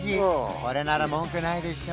これなら文句ないでしょ？